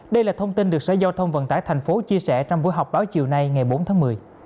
đây là thông tin được sở giao thông vận tải tp hcm chia sẻ trong buổi học báo chiều nay ngày bốn tháng một mươi